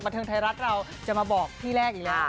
เทิงไทยรัฐเราจะมาบอกที่แรกอีกแล้ว